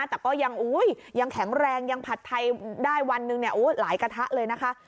แต่ก็ยังแข็งแรงยังผัดไทยได้วันหนึ่งหลายกระทะเลนะคะ